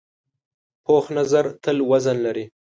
پوخ نظر تل وزن لري